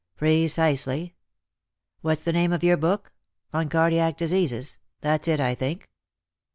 " Precisely. What's the name of your book ? On Cardiac Diseases. That's it, I think.